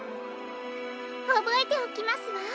おぼえておきますわ。